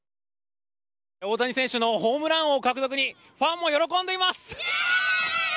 大谷選手のホームラン王獲得にファンも喜んでいます。